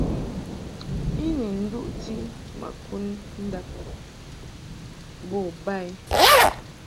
I ni nduʼti ma kud ndab bo ba i.